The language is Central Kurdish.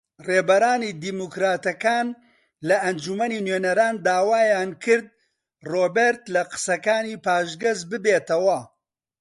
ڕێبەرانی دیموکراتەکان لە ئەنجومەنی نوێنەران داوایان کرد ڕۆبێرت لە قسەکانی پاشگەز ببێتەوە